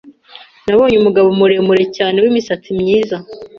nabonye umugabo muremure cyane w’imisatsi myiza,